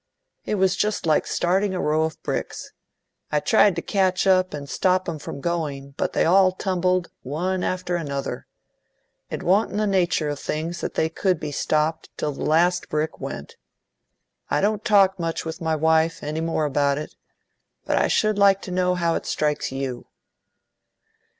It was just like starting a row of bricks. I tried to catch up and stop 'em from going, but they all tumbled, one after another. It wa'n't in the nature of things that they could be stopped till the last brick went. I don't talk much with my wife, any more about it; but I should like to know how it strikes you."